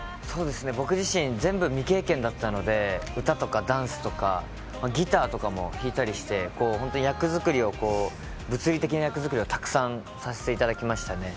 僕自身、全部未経験だったので、歌とかダンスとか、ギターとかも弾いたりして物理的な役づくりをたくさんさせていただきましたね。